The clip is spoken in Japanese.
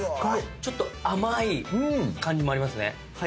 ちょっと甘い感じもありますね。